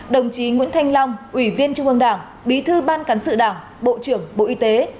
đồng chí nguyễn thanh long ủy viên trung ương đảng bí thư ban cán sự đảng bộ trưởng bộ y tế